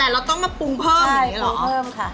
แต่เราต้องมาปรุงเพิ่มเหรอใช่ค่ะปรุงเพิ่มค่ะ